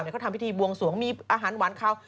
เขาทำพิธีบวงสวงมีอาหารหวานเขา